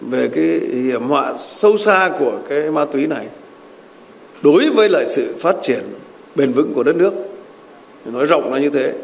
về cái hiểm họa sâu xa của cái ma túy này đối với lại sự phát triển bền vững của đất nước nói rộng là như thế